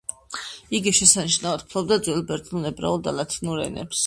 იგი შესანიშნავად ფლობდა ძველბერძნულ, ებრაულ და ლათინურ ენებს.